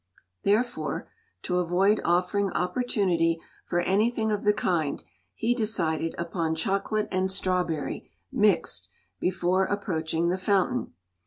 Therefore, to avoid offering opportunity for anything of the kind, he decided upon chocolate and strawberry, mixed, before approaching the fountain.